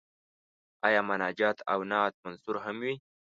آیا مناجات او نعت منثور هم وي.